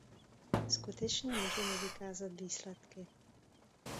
Skutečně můžeme vykázat výsledky.